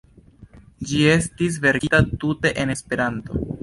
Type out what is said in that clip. Ĝi estis verkita tute en Esperanto.